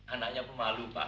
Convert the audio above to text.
anaknya pemalu pak